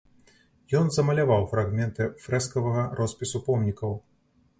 Ён замаляваў фрагменты фрэскавага роспісу помнікаў.